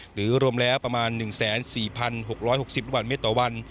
รวมแล้วประมาณ๑๔๖๖๐ลูกบาทเมตรต่อวัน